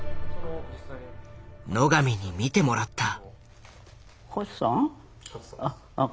野上に見てもらった。